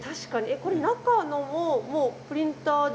これ中のももうプリンターで。